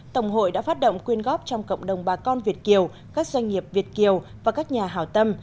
tổng hội đã phát động quyên góp trong cộng đồng bà con việt kiều các doanh nghiệp việt kiều và các nhà hào tâm